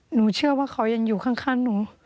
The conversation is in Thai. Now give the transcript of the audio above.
หนูเชื่อว่าเขายังอยู่ข้างหนู